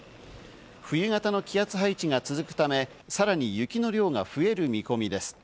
冬型の気圧配置が続くため、さらに雪の量が増える見込みです。